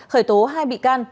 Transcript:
khởi tố hai bị can